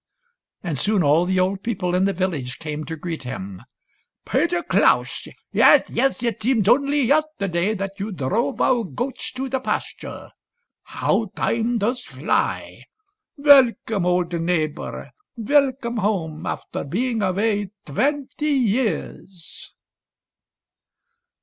And soon all the old people in the village came PETER KLAUS THE GOATHERD " 235 to greet him. " Peter Klaus ? Yes, yes, it seems only yesterday that you drove our goats to the pasture. How time does fly ! Welcome, old neigh bor! Welcome home after being away twenty years."